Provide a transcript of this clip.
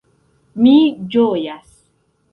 Mi ĝojas!